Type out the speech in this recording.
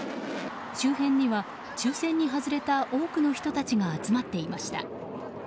周辺には抽選に外れた多くの人たちが集まっていました。